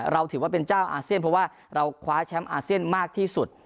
เราถือว่าเป็นเจ้าอาเซียนเพราะว่าเราคว้าแชมป์อาเซียนมากที่สุด